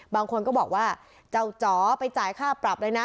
บางคนก็บอกว่าเจ้าจ๋อไปจ่ายค่าปรับเลยนะ